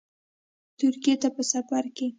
ترکیې ته په سفرکې